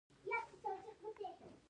معده د خوړو د هضم لپاره اسید تولیدوي.